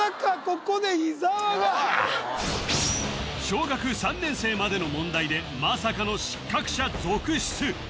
小学３年生までの問題でまさかの失格者続出！